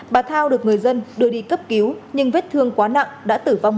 bà thao được người dân đưa đi cấp cứu nhưng vết thương quá nặng đã tử vong